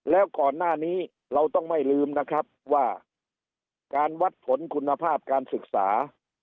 แล้วก่อนหน้านี้เราต้องไม่ลืมนะครับว่าการวัดผลคุณภาพการศึกษา